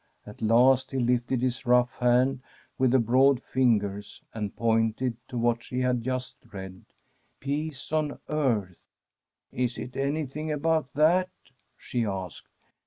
At last he lifted his rough hand, with the broad fingers, and pointed to what she had just read :' Peace on earth. .•.'' Is it anything about that ?' she asked.